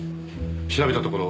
調べたところ